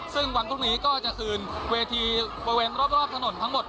ซึ่งวันพรุ่งนี้ก็จะคืนเวทีบริเวณรอบถนนทั้งหมด